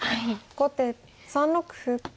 後手３六歩。